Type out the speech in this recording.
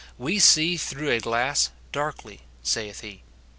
12, " "We see through a glass, darklj," saith he.